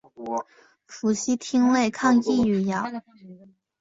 氟西汀类抗抑郁药。